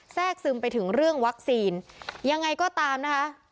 แทรกซึมไปถึงเรื่องวัคซีนยังไงก็ตามนะคะ